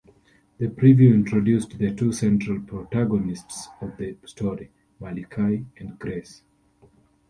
The preview introduced the two central protagonists of the story, Malikai and Grace.